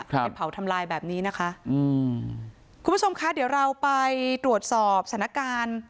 ไปเผาทำลายแบบนี้นะคะอืมคุณผู้ชมคะเดี๋ยวเราไปตรวจสอบสถานการณ์